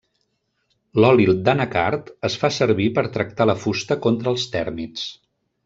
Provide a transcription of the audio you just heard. L'oli d'anacard es fa servir per tractar la fusta contra els tèrmits.